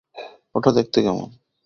ওটা দেখতে কেমন?